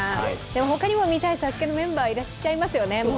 でも、他にも見たい「ＳＡＳＵＫＥ」のメンバー、いらっしゃいますよね。